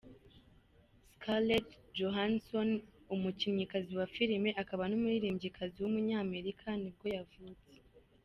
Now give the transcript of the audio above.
Scarlett Johansson, umukinnyikazi wa filime akaba n’umuririmbyikazi w’umunyamerika nibwo yavutse.